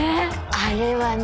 あれはね